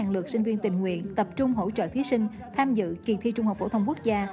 một trăm lượt sinh viên tình nguyện tập trung hỗ trợ thí sinh tham dự kỳ thi trung học phổ thông quốc gia